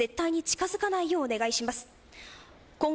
河川には絶対に近づかないようお願いします。